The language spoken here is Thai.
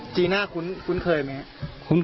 จีน่าคุ้นเคยมั้ย